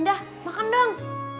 indah makan dong